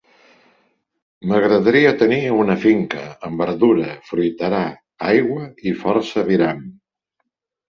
M'agradaria tenir una finca, amb verdura, fruiterar, aigua i força viram.